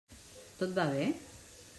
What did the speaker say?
Tot va bé?